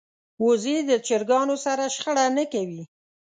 وزې د چرګانو سره شخړه نه کوي